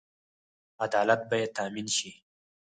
عدالت باید تامین شي